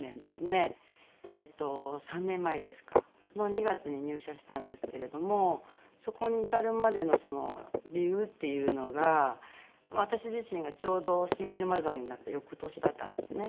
２月に入社したんですけれどもそこに至るまでの理由っていうのが私自身がちょうどシングルマザーになった翌年だったんですね。